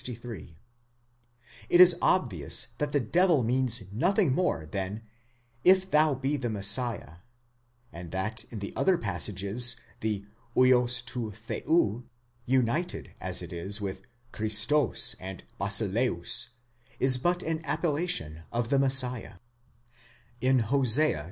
63): it is obvious that the devil means nothing more than, If thou be the Messiah ; and that in the other passages the vids rod θεοῦ, united as it is with Χριστὸς and βασιλεὺς, is but an appellation of the Messiah, In Hos, xi.